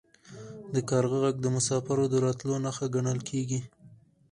د کارغه غږ د مسافر د راتلو نښه ګڼل کیږي.